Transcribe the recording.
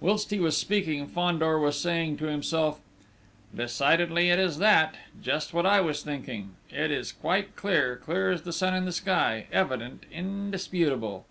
Whilst he was speaking, Fandor was saying to himself: "Decidedly, it is that!... Just what I was thinking! It is quite clear, clear as the sun in the sky, evident, indisputable!"